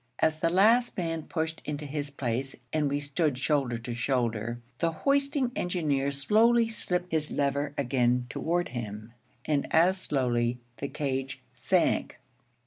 As the last man pushed into his place and we stood shoulder to shoulder, the hoisting engineer slowly slipped his lever again toward him, and as slowly the cage sank.